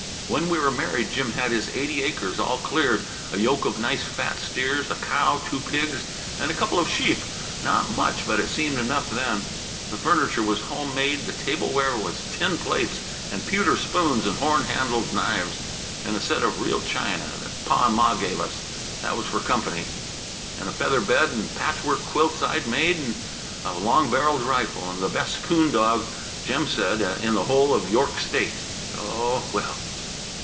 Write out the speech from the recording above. "When we were married, Jim had his eighty acres all cleared, a yoke of nice fat steers, a cow, two pigs, and a couple of sheep; not much, but it seemed enough then. The furniture was home made, the table ware was tin plates and pewter spoons and horn handled knives, and a set of real china that Pa and Ma gave us that was for company and a feather bed and patch work quilts I'd made, and a long barrelled rifle, and the best coon dog, Jim said, in the whole of York State. Oh, well!"